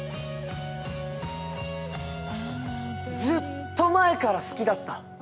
ずっと前から好きだった。